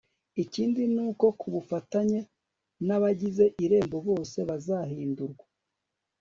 ikindi ni uko ku bufatanye n abagize irembo bose bazahindurwa